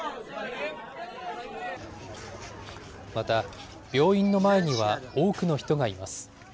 また、病院の前には、多くの人がいます。